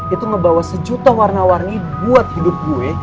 itu ngebawa sejuta warna warni buat hidup gue